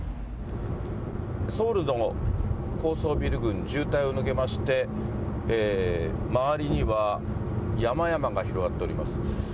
ソウルの高層ビル群、渋滞を抜けまして、周りには山々が広がっております。